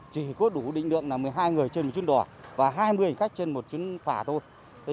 chỉ có đủ định lượng là một mươi hai người trên một chuyến đò và hai mươi hành khách trên một chuyến phả thôi